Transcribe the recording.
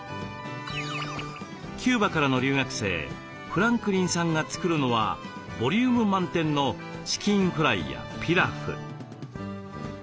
キューバからの留学生フランクリンさんが作るのはボリューム満点のチキンフライやピラフ。